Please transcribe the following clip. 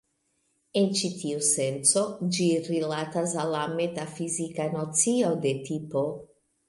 En ĉi tiu senco, ĝi rilatas al la metafizika nocio de 'tipo'.